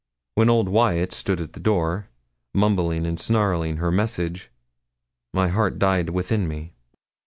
When old Wyat stood at the door, mumbling and snarling her message, my heart died within me.